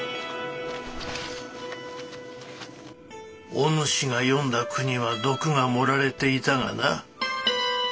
お主が詠んだ句には毒が盛られていたがな。